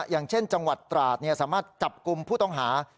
อย่างเช่นจังหวัดตราดสามารถจับกลุ่มผู้ต้องหา